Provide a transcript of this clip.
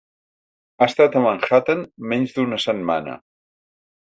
Ha estat a Manhattan menys d'una setmana.